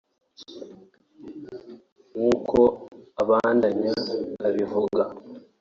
nk’uko abandanya abivuga